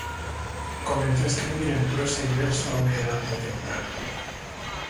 Comenzó a escribir en prosa y verso a una edad muy temprana.